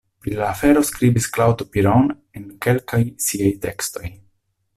Pri la afero skribis Claude Piron en kelkaj siaj tekstoj.